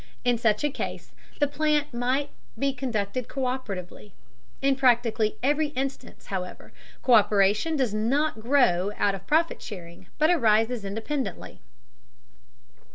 In such a case the plant might be conducted co÷peratively. In practically every instance, however, co÷peration does not grow out of profit sharing, but arises independently.